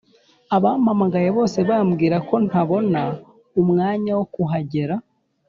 Abampamagaye bose mbabwirako ntabona umwanya wokuhagera